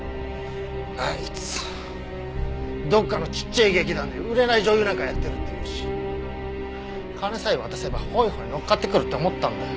あいつどっかのちっちぇえ劇団で売れない女優なんかやってるっていうし金さえ渡せばホイホイのっかってくるって思ったんだよ。